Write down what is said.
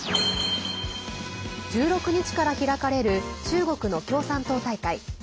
１６日から開かれる中国の共産党大会。